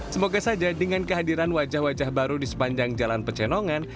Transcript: semoga saja dengan kehadiran wajah wajah baru di sepanjang jalan pecenongan